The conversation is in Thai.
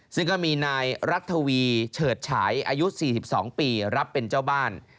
ซึ่งก็มีนายรัฐวีเฉิดฉายอายุ๔๒ปีรับเป็นเจ้าบ้าน